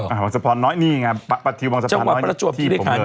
บางสะพานน้อยนี่ไงประถิวบางสะพานน้อยที่ผมเลย